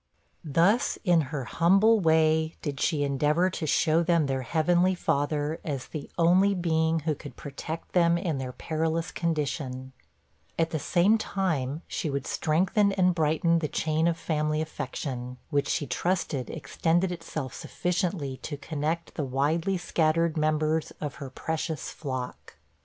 Thus, in her humble way, did she endeavor to show them their Heavenly Father, as the only being who could protect them in their perilous condition; at the same time, she would strengthen and brighten the chain of family affection, which she trusted extended itself sufficiently to connect the widely scattered members of her precious flock.